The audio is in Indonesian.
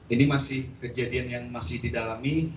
ini masih kejadian yang masih didalami